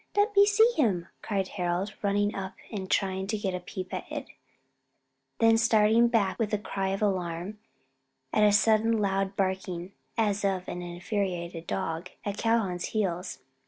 Let me see him," cried Harold, running up and trying to get a peep at it; then starting back with a cry of alarm, at a sudden loud barking, as of an infuriated dog, at Calhoun's heels.